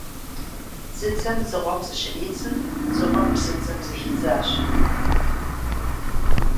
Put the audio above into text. Дзыдзэм дзыгъуэм зыщридзым, дзыгъуэм псыдзэм зыхидзащ,.